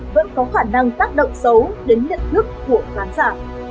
vẫn có khả năng tác động xấu đến nhận thức của khán giả